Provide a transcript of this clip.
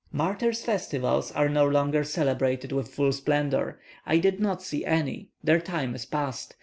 Martyrs' festivals are no longer celebrated with full splendour. I did not see any; their time is past.